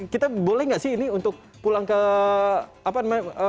kita boleh nggak sih ini untuk pulang ke apa namanya